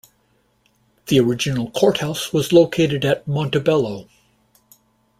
The original courthouse was located at Montebello.